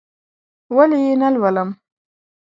ولې یې نه لولم؟!